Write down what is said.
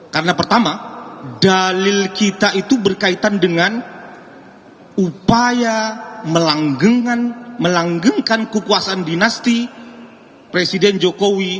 karena pertama dalil kita itu berkaitan dengan upaya melanggengkan kekuasaan dinasti presiden jokowi